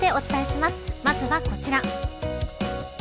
まずはこちら。